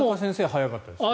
早かったですね。